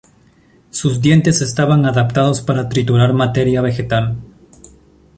Sus dientes estaban adaptados para triturar materia vegetal.